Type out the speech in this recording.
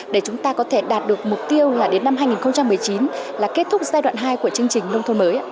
để chúng ta có thể đạt được mục tiêu là đến năm hai nghìn một mươi chín là kết thúc giai đoạn hai của chương trình nông thôn mới